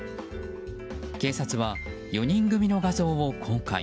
警察は４人組の画像を公開。